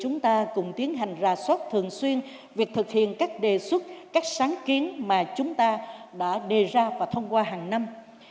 chúng ta cùng tiến hành rà soát thường xuyên việc thực hiện các đề xuất các sáng kiến mà chúng ta đã đề ra và thông qua hàng năm